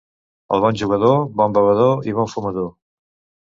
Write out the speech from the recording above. El bon jugador, bon bevedor i bon fumador.